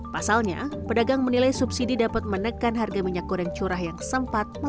pasalnya pedagang menilai subsidi dapat menekan harga minyak goreng curah yang sempat naik